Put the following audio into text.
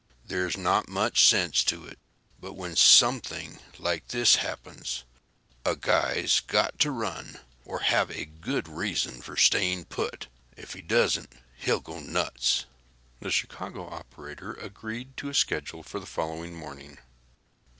There's not much sense to it, but when something like this happens a guy's got to run or have a good reason for staying put. If he doesn't he'll go nuts." The Chicago operator agreed to a schedule for the following morning.